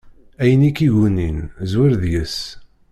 Ayen i k-iggunin, zwir deg-s!